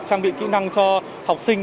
trang bị kỹ năng cho học sinh